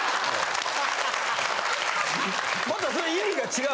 またそれ意味が違う。